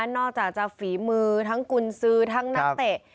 นอกจากจะฝีมือทั้งกุญสือทั้งนักเตะ